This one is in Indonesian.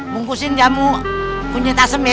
bungkusin jamu kunyit asem ya